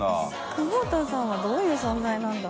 久保田さんはどういう存在なんだ？